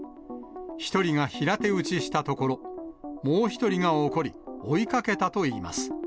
１人が平手打ちしたところ、もう１人が怒り、追いかけたといいます。